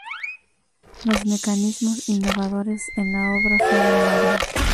Los mecanismos innovadores en la obra fueron varios.